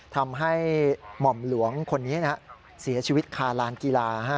ทำให้หม่อมหลวงคนนี้เสียชีวิตคาลานกีฬา